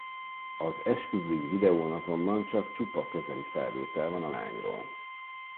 Az esküvői videón azonban csak csupa közeli felvétel van a lányról.